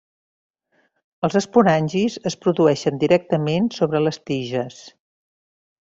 Els esporangis es produeixen directament sobre les tiges.